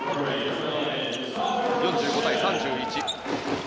４５対３１。